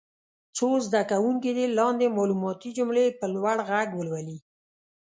څو زده کوونکي دې لاندې معلوماتي جملې په لوړ غږ ولولي.